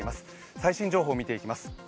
最新情報を見ていきます。